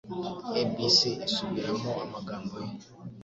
ABC isubiramo amagambo ye